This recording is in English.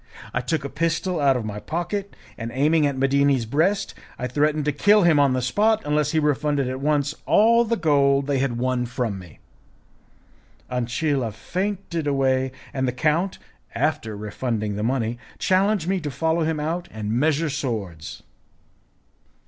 I took a pistol out of my pocket, and, aiming at Medini's breast, I threatened to kill him on the spot unless he refunded at once all the gold they had won from me. Ancilla fainted away, and the count, after refunding the money, challenged me to follow him out and measure swords.